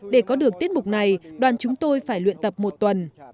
để có được tiết mục này đoàn chúng tôi phải luyện tập một tuần